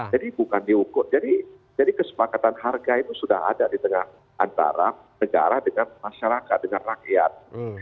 jadi bukan diukur jadi kesepakatan harga itu sudah ada di tengah antara negara dengan masyarakat dengan rakyat